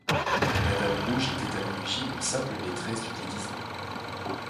Madame Rouge était à l'origine une simple maîtresse du déguisement.